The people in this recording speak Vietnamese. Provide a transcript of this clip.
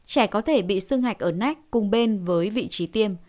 trẻ có thể bị xương hạch ở nách cùng bên với vị trí tiêm